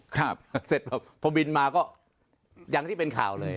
เสร็จแบบพอบินมาก็อย่างที่เป็นข่าวเลย